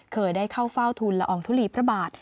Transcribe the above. เคยได้เข้าเฝ้าทุนละอองทุลีพระบาท